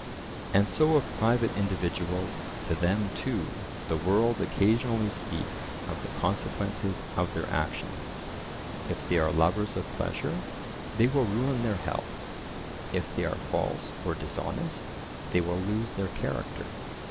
And so of private individuals—to them, too, the world occasionally speaks of the consequences of their actions:—if they are lovers of pleasure, they will ruin their health; if they are false or dishonest, they will lose their character.